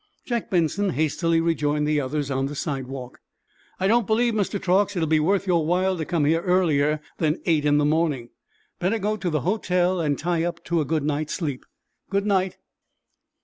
Jack Benson hastily rejoined the others on the sidewalk. "I don't believe, Mr. Truax, it will be worth your while to come here earlier than eight in the morning. Better go to the hotel and tie up to a good sleep. Good night."